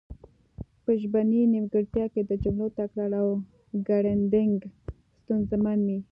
په ژبنۍ نیمګړتیا کې د جملو تکرار او ګړیدنګ ستونزمن وي